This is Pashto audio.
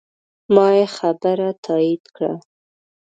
ما یې خبره تایید کړه.